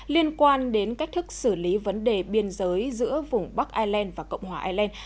liên quan đến cách thức xử lý vấn đề biên giới giữa vùng bắc ireland và cộng hòa ireland